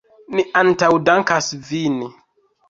Ni antaŭdankas vin!